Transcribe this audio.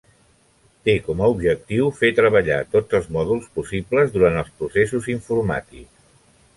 Té com a objectiu fer treballar tots els mòduls possibles durant els processos informàtics.